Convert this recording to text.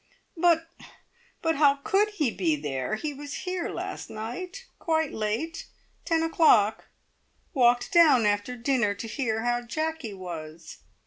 "But but how could he be there? He was here last night. Quite late. Ten o'clock. Walked down after dinner to hear how Jacky was!"